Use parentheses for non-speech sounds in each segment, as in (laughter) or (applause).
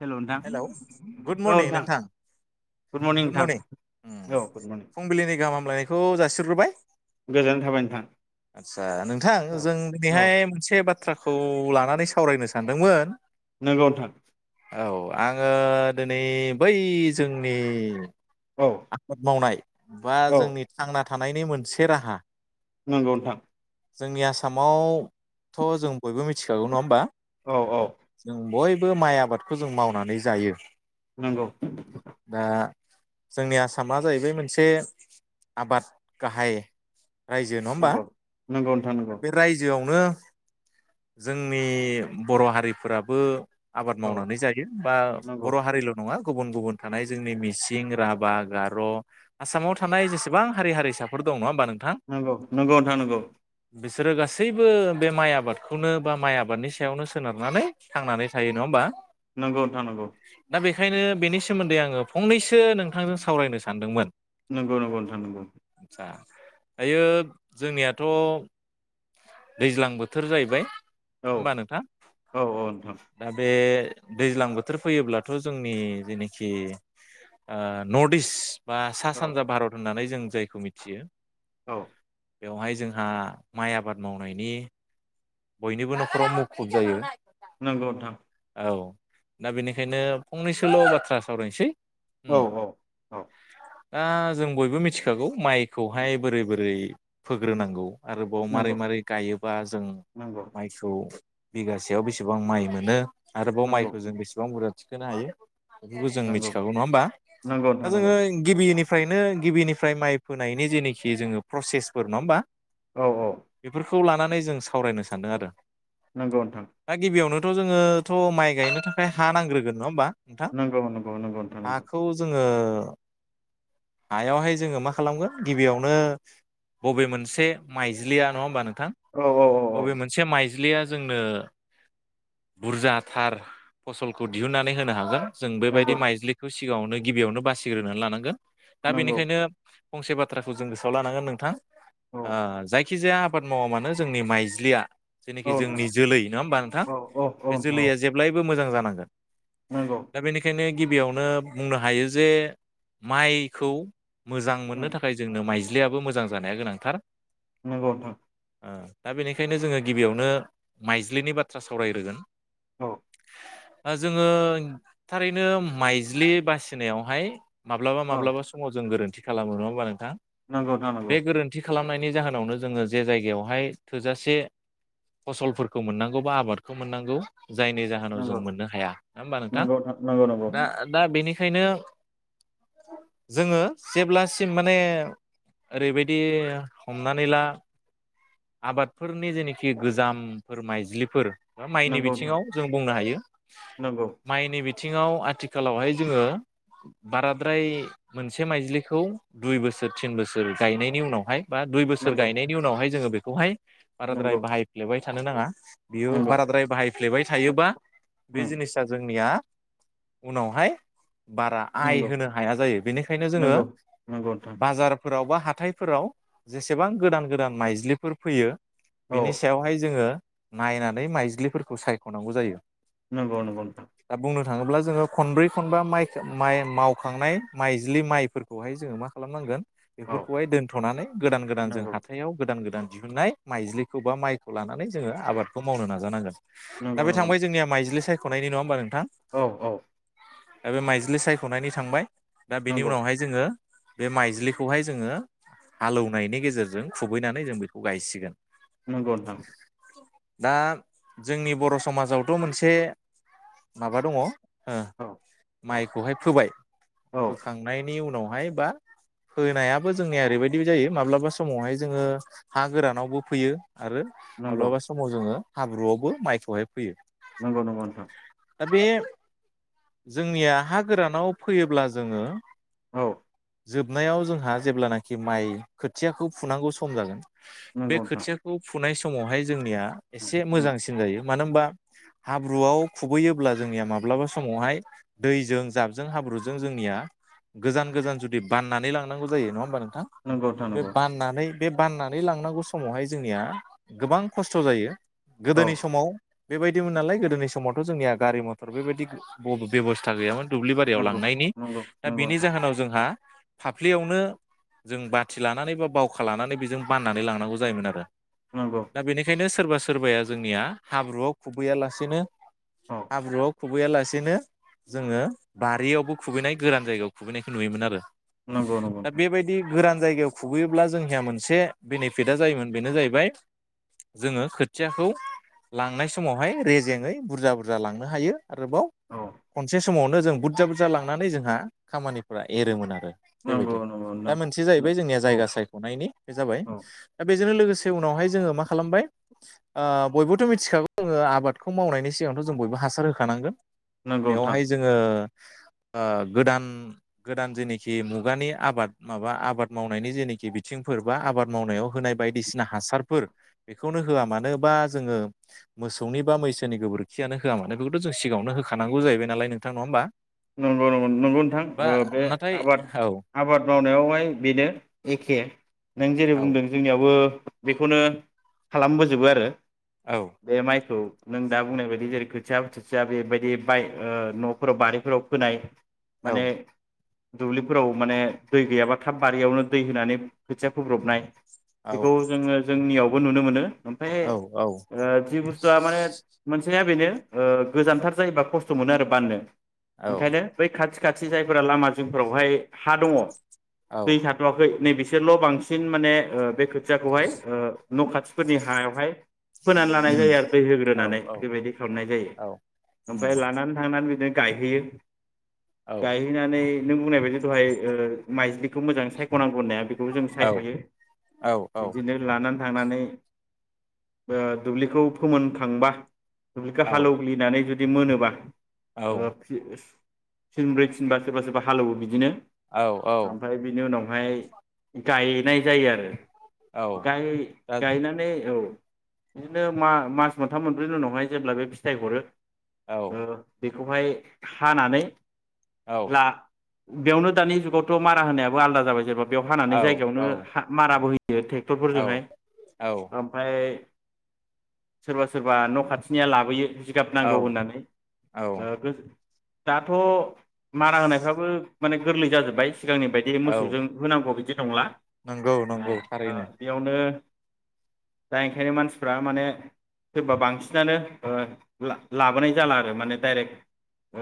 हेल' नोंथां hello good morning नोंथां good मरनिं उम औ गुड मरनिं फुंबिलिनि गाहामलायनाय खौ जासिग्रोबाय। गोजोन थाबाय नोंथां आतसा नोंथां औ जों औ दिनैहाय मोनसे बा बाथ्राखौ लानानै सावरायनो सानदोंमोन नोंगौ नोंथां। औ आङो दोनै बै जोंनि औ आबाद मावनाय बा औ जोंनि थांना थानायनि मोनसे राहा नंगौ नोंथां। जोंनि आसामावथ' जों बयबो मिथिखागौ नङा होमबा औ औ जों बय माइ आबादखौ जों मावनानै जायो। नंगौ। दा जोंनि आसामा जाहैबाय मोनसे आबाद गाहाय रायजो नङा होमबा नंगौ नंगौ नोंथां नंगौ बे रायजोआव नो जोंनि बर' हारिफोराबो आबाद औ मावनानै जायो बा नंगौ बर' हारिल' नङा। गुबुन गुबुन थानाय जोंनि मिसिं राभा, गार' आसामाव थानाय जेसेबां हारि हारिसाफोर दं नङा होमबा नों नंगौ नंगौ नोंथां नंगौ। बिसोरो गासैबो बे माइ आबादखौनो बा माइ आबादनि सायावनो सोनारनानै थांनानै थायो नङा होमबा? नंगौ नोंथा नंगौ। ओंखायनो बे सोमोन्दै आङो फंनैसो नों बिथांजों सावरायनो सानदोंमोन। नंगौ नंगौ नोंथां नंगौ आदसा दायो जोंनियाथ' दैज्लां बोथोर जाहैबाय औ होमबा नोंथां औ औ नोंथां दा बे दैज्लां बोथोर फैयोब्लाथ' जोंनि जेनिखि ओ नर्थ इस्ट बा सा औ सानजा भारत होननानै जों जायखौ मिथियो औ बेवहाय जोंहा माइ आबाद मावनायनि बयनिबो न'खराव मुखुब जायो नंगौ नोंथां औ दा बेनिखायनो फंनैसोल' बाथ्रा सावरायनोसै औ औ औ दा जों बयबो मिथिखागौ माइखौहाय बोरै बोरै फोग्रोनांगौ आरोबाव मारै नंगौ मारै गायोबा जों नंगौ माइसौ बिगासेयाव बेसेबां माइ मोनो आरोबाव नंगौ माइखौ जों बेसेबां बुरजा थिखोनो हायो। बेफोरखौ जों नंगौ मिथिखागौ नङा होमबा नंगौ दा नोंथां नंगौ जोङो गिबि आमफायनो गिबिनिफ्राय माइ फोनायनि जेनोखि जोङो प्रसेसफोर नङा होमबा औ औ बेखौ लानानै जों सावरायनो सै सान्दों आरो नोंगौ नोंथां जोंङो थ' माइ गायनो थाखाय हा नांग्रोगोन नङा होमबा नोंगौ नोंगौ नोंगौ नोंथां नोंगौ ओ हायावहाय जोङो मा खालामगोन गिबियावनो ब'बे मोनसे माइज्लिया नङा होमबा नों नोंथां औ औ औ औ अबे मोनसे माइ बिजलिया जोंनो बुरजा थार फसलखौ दिहुननानै होनो हागोन। जों बेबायदि नंगौ माइज्लिखौ सिगाङावनो गिबियावनो बासिग्रोनानै लानांगोन दा नंगौ बेनिखायनो हो फंसे बाथ्राखौ जों गोसोआव लानांगोन नोंथां औ आ जाय जायखि जाया आबाद मावा मानो जोंनि माइज्लिया जेनाखि नोंथां जोंनि जोलै नङा होमबा नोंथां औ औ औ बे नोंथां औ जोलैया जेब्लायबो मोजां जा नांगोन नंगौ दा बेनिखायनो गिबियावनो बुंनो हायो जे माइखौ मोजां उम मोननो थाखाय जोंनो माइज्लि लियाबो मोजां जानाया गोनांथार नोंगौ नोंथां ओ दा बेनिखायनो जोङो गिबियावनो माइज्लिनि बाथ्रा सावरायग्रोगोन औ ओ जोङो थारैनो माइज्लि बासिनायावहाय माब्लाबा औ माब्लाबा समाव जों गोरोन्थि खालामो नङा होनबा नोंथां नंगौ नोंथां बे नंगौ गोरोन्थि खालामनायनि जाहोनावनो जोङो जे जायगायावहाय थोजासे फसलफोरखौ मोननांगौ बा आबादखौ मोननांगौ जायनि जाहोनाव जों नंगौ मोननो हाया नङा होमबा नोंथां नंगौ नंगौ नोंथां दा दा बेनि बिखायनो जोङो जेब्लासिम माने ओरैबायदि हमनानै ला आबादफोरनि जेनोखि गोजामफोर माइज्लिफोर माइनि नंगौ बिथिङाव जों बुंनो हायो माइनि बि बिथिङाव आथिखालावहाय जोङो बाराद्राय मोनसे माइजलिखौ दुइ बोसोर तिन बोसोर गायनायनि उनावहाय बा दुइ बोसोर नंगौ गायनायनि उनावाय जोङो बे दहाय बाराद्राय नंगौ बाहायफ्लेबाय थानो नाङा बियो नोंथां नंगौ बाराद्राय बाहाय स्लेबाय थायोबा बे उम जिनिसा जोंनिया उनावहाय बार आइ नंगौ होनो हाया जायो बेनिखायनो जोङो नंगौ नंगौ नोंथां बाजारफोरावबा हाथायफोराव जेसेबां गोदान गोदान माइज्लिफोर फैयो बिनि औ सायावहाय जोङो नायनानै माइज्लिफोरखौ सायख'नांगौ जायो नोंगौ नोंगौ नोथां। दा बुंनो थाङोब्ला जोङो खनब्रै खनबा माइ- माइ मावखांनाय माइज्लि माइफोरखौहाय जोङो मा खालामनांगोन। औ बेफोरखौहाय दोन्थ'नानै गोदान गोदान जों नंगौ हाथायाव गोदान गोदान दिहुननाय माइज्लिखौ बा माइखौ लानानै जोङो आबादखौ मावनो नाजानांगोन। दा बे थांबाय जोंनिया माइजलि साइ खनाय नङा होनबा नोंथां। औ औ बे बे माइज जलि सायख'नायनि थांबाय। दा बेनि उनावहाय जोङो बे माइज्लिखौहाय जोङो हालौनायनि गेजेरजों खुबैनानै जों बेखौ गायसिगोन नंगौ नोंथां। दा जोंनि बर' समाजावथ' मोनसे माबा दङ। हो औ माइखौहाय फोबाय औ फोखांनायनि नि उनावहाय बा फोनायाबो जोंनिया ओरैबायदि जायो माब्लाबा समावहाय जोङो हा गोरानावबो फैयो। आरो नंगौ माब्लाबा समाव जोङो। हाब्रुआवबो माइखौहाय फोयो नंगौ नोंथां औ नंगौ नोंथां दा बे जोंनिया हा गोरानाव फैयोब्ला जोङो औ जोबनायाव जोंहा जेब्लानाखि माइ खोथियाखौ फुनांगौ सम जागोन। नंगौ बे नोंथां खोथियाखौ फुनाय समावहाय जोंनिया एसे उम मोजांसिन जायो मानो होमबा हाब्रुआव खुबैयोब्ला जोंनिया माब्लाबा समावहाय दैजों जाबजों हाब्रुजों जोंनिया गोजान गोजान जुदि बाननानै लांनांगौ जायो नङा होमबा नों थां नंगौ नोंथां बे नंगौ बाननानै बे बाननानै लांनांगौ समावहाय जोंनिया गोबां खस्थ' जायो। औ गोदोनि समाव बेबायदिमोन नालाय गोदोनि समावथ' जोंनिया गारि मथर बेबायदि बेबस्था थां गैयामोन। दुब्लि बारियाव नंगौ लांनायनि नंगौ दा नंगौ बिनि नोंथां जाहोनाव जोंहा। फाफ्लियावनो जों बाथि लानानै बा बावखा लानानै बेजों बाननानै लांनांगौ जायोमोन आरो। नंगौ दा बेनिखायनो सोरबा। सोरबाया जोंनिया हाब्रुआव खुबैयालासेनो औ हाब्रुआव खुबैयालासेनो जोङो बारियावबो खुबैनाय गोरान जायगायाव खुबैनायखौ नुयोमोन आरोथ नंगौ नंगौ गोरान जायगायाव खुबैयोब्ला जोंनिया मोनसे बेनिफिटआ जायोमोन बेनो जाहैबाय जोङो खोथियाखौ लांनाय समावहाय रेजेेङै बुरजा बुरजा लांनो हायो आरोबाव औ मोनसे समावनो जों बुरजा बुरजा लांनानै जोंहा खामानिफोरा एरोमोन आरो नंगौ बेबायदि नंगौ दा नोंथां मोनसे जाहैबाय जोंनिया औ जायगा सायख'नायनि बे जाबाय औ दा बेजों लोगोसे से उनावहाय जोङो मा खालामबाय ओ बयबोथ' मिथिखागौ जोङो आबादखौ मावनायनि सिगांथ' जों बयबो हासार होखानांगोन नंगौ नोंथां बेवहाय जोङो ओ गोदान गोदान जेनेखि मुगानि आबाद माबा आबाद मावनायनि जेनिखि बिथिंफोर बा आबाद मावनायाव होनाय बायदिसिना हासारफोर बेखौनो होआ मानो बा जोङो मोसौनि बा मैसोनि गोबोरखियानो होआ मानो बेखौथ' जों सिगाङावनो होखानाय नांगौ जाहैबाय नालाय नोंथां नङा होमबा नंगौ नंगौ नंगौ नोंथां बा ओ बे नाथाय आबाद औ आबाद मावनायावहाय बेनो एखे नों जेरै औ बुंदों जोंनियावबो बेखौनो खालामबोजोबो आरो औ बे माय खौ नों दा बुंनाय बायदि जेरै खोथिया बोथिथिया बेबायदि बाय ओ न'फोराव बारि फोराव फोनाय माने औ दुब्लिफोराव माने दै गैयाबा थाब बारियावनो दै होनानै खोथिया फोब्रबनाय औ बेखौ जोङो जोंनियाव बो नुनो मोनो ओफाय औ ओ जि बुस्थुआ माने मोनसेया बेनो ओ गोजानथार जायोबा खस्थ' मोनो आरो बाननो औ ओंखायनो बै खाथ खाथि जायफोरा लामा जोंफोरावहाय हा दङ औ दै थाथ'वाखै नै बिसोरल' बांसिन माने ओ बे खोथियाखौहाय ओ न' खाथिफोरनि हायावहाय फोनानै लानाय उम जायो आरो दै औ होग्रोनानै औ बेबायदि खालामनाय जायो औ उम ओमफ्राय लानानै थांनानै बिदिन गायहैयो औ (inaudible) गायहैनानै नों बुंनाय बायदि दहाय ओ माइज्लिखौ मोजाङै साय'नांगौ होननाया बेखौजों औ सायखायो औ औ बिदिनो लानान थांनानै ओ दुब्लिखौ फोमोनखांबा दुब्लिखौ औ हालौग्लिनानै जुद बि मोनोबा औ थिनब्रै थिनबा सोरबा सोरबा हालोवो बिदिनो। औ औ ओमफ्राय बिनि उनाव माय गायनाय जायो आरो औ गाय दा गायनानै औ बिदिनो मा मास मोनथाम मोनब्रैनि उनावहाय जेब्ला बे फिथाय हरो औ ओ बे खौहाय हानानै औ ला बेयावनो दानि जुगावथ' मारा होनायाबो आलदा जाबाय जेनबा बेयाव औ हानानै औ जायगायावनो हा माराबो हो यो ट्रेक्टरफोरजोंहाय औ ओमफ्राय सोरबा सोरबा न' खाथिनिया लाबोयो। जिगाब नांगौ औ होननानै ओ औ दाथ' मारा होनायफ्राबो माने गोरलै जाजोबबाय सिगांनि बायदि औ मोसौजों होनांगौ बिदि नंला नंगौ आ नंगौ ओ थारैनो बेयावनो दा ओंखायनो मानसिफ्रा माने सोरबा बांसिनानो ओ ला लाबोनाय जाला आरो माने डाइरेक्ट ओ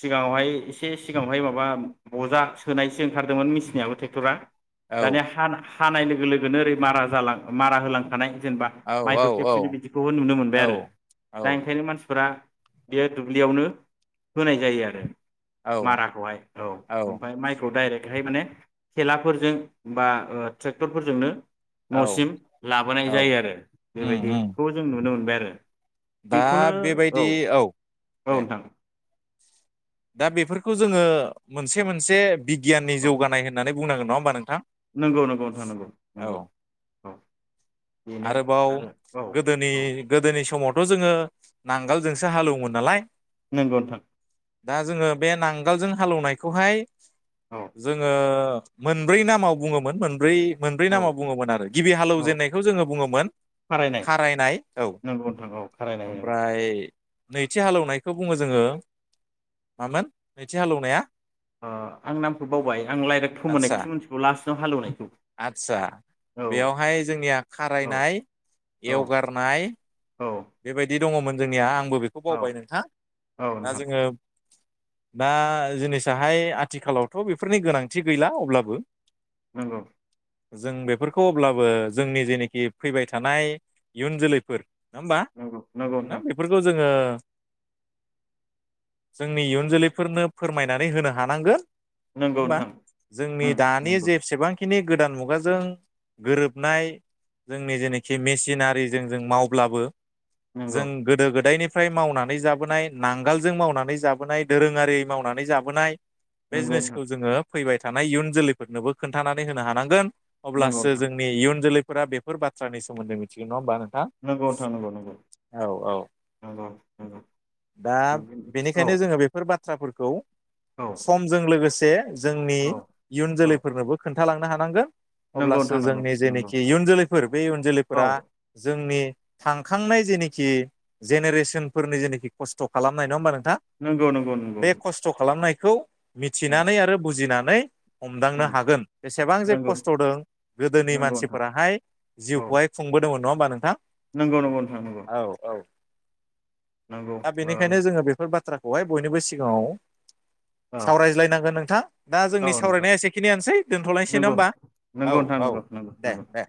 सिगाङावहाय एसे सिगाङावहाय माबा बजा सोनायसो ओंखारदोंमोन मिचनियाबो ट्रेक्टरा औ दानि हान खानाय लोगो लोगोनो ओरै मारा जालां मारा होलांखानाय जेनेबा औ औ माइक्र' औ खेबसेनि बिदिखौ नुनो औ मोनबाय आरो दा ओंखायनो मानसिफोरा बेयो दुब्लियावनो होनाय जायो आरो औ माराखौहाय औ ओमफ्राय माइखौ डाइरेक्ट बेहाय माने थेलाफोरजों बा ओ ट्रेक्टरफोरजोंनो औ न'सिम लाबोनाय औ जायो आरो उम उम बेबायदिखौ जों नुनो मोनबाय। ए दा बेबायदि औ औ दे। नोंथां दा बेफोरखौ जोङो मोनसे औ मोनसे बिगियाननि औ जौगानाय होननानै बुंनांगोन नङा हो नोंथां नंगौ नंगौ नोंथां नंगौ औ नंगौ औ बेनो आरोबाव आरो औ गोदोनि औ गोदोनि समाव थ' जोङो नांगोलजोंसो हालेवोमोन नालाय नंगौ नोंथां। दा जोङो बे नांगोलजों हालौवनायखौहाय औ जोङो मोनब्रै नामाव बुङोमोन मोनब्रै मोनब्रै औ नामाव बुङोमोन आरो गिबि औ हालौवजेननायखौ जोङो बुङोमोन खारायनाय औ नंगौ नोंथां औ खारायनाय ओमफ्राय नैथि हालेवनायखौ बुङो जोङो। मामोन नैथि हालेवनाया आं नामखौ बावबाय आं दायरेक आदसा फोमोननायखौसो मिथिगौ लास्टाव हालेवनायखौ आदसा औ बेयावहाय जोंनिया खारायनाय औ एवगारनाय औ। बेबायदि दङमोन जोंनिया आंबो बेखौ औ बावबाय नोंथां औ दा नोंथां जोङो दा जिनिसाहाय आथिखालावथ' बेफोरनि गोनांथि गैला अब्लाबो नंगौ। जों बेफोरखौ अब्लाबो जोंनि जेनोखि फैबाय थानाय इयुन जोलैफोर नङा होमबा नंगौ नंगौ ना नोंथां बेफोरखौ जोङो जोंनि इयुन जोलैफोरनो फोरमायनानै होनो हानांगोन। नङा नंगौ होमबा नोंथां जोंनि उम दानि नंगौ जेसेबांखिनि गोदान मुगाजों गोरोबनाय जोंनि जेखि मेसिनारिजों जों माव अब्लाबो नंगौ जों गोदो-गोदायनि फ्राय मावनानै जाबोनाय नांगोलजों मावनानै जाबोनाय दोरोङारि मावनानै जाबोनाय बे नंगौ नोंथां जिनिसखौ जोङो फैबाय थानाय इयुन जोलैफोरनोबो खोन्थानानै होनो हानांगोन। नंगौ अब्लासो जोंनि इयुन जोलै फोरफोरा बेफोर बाथ्रा सोमोनदै मिथिगोन नङा होनबा नों नोंगौ। थां नगौ नंगौं औ नोंगौ नोंगौ दा औ बेनिखायनो जोङो बेफोर बाथ्राफोरखौ औ समजों लोगोसे से जोंनि औ इयुन औ जोलैफोरनोबो खोन खिथालांनो हानांगोन नंगौ नोंथां अब्लासो नंगौ जोंनि नंगौ जेनोखि इयुन जोलैफोर बे इयुन औ जोलैफोरा जोंनि थांखांनाय जेनिखि जेनेरेसनफोरनि जेनोखि खस्थ' खालामनाय नङाहोमबा नों नंगौ नंगौ नंगौ बे खस्थ' खालामनाय खौ उम मिथिनानै आरो बुजिनानै नै हमदांनो उम हागोन बेसेबां जे नंगौ खस्थ'दों गोदोनि नंगौ नोंथां मानसिफोराहाय औ जिउखौहाय खुंबोदोंमोन नङ होमा नोंथां नंगौ नंगौ नोंथां नंगौ औ औ नंगौ दा ओ बेनिखायनो जोङो बेफोर बाथ्राखौ बहाय बयनिबो सिगाङाव औ सावरायज्लायनांगोन नोंथां दा जोंनि औ नोंथां सावरायनाया एसेखिनियानोसै दोनथ'लायसै नङा नंगौ होमबा औ नंगौ नोंथां औ नंगौ नंगौ दे नंगौ दे।